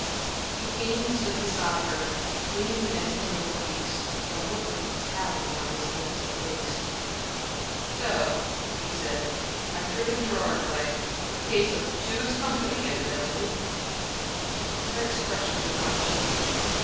He came and stood beside her, leaning against the mantel piece, a look of brutality on his handsome face. "So," he said. "I've driven Gerard away. A case of 'two is company,' evidently." Her expression did not change.